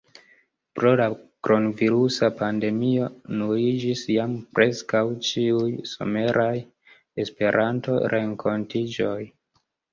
Pro la kronvirusa pandemio nuliĝis jam preskaŭ ĉiuj someraj Esperanto-renkontiĝoj.